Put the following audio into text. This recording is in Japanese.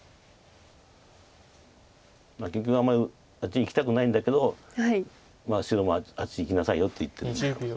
結局あんまりあっちにいきたくないんだけど白もあっちいきなさいよって言ってるんです。